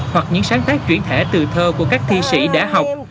hoặc những sáng tác chuyển thể từ thơ của các thi sĩ đã học